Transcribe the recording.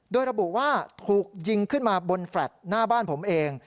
โดยระบุว่าถูกยิงขึ้นมาบนแฟลต์หน้าบ้านผมเอง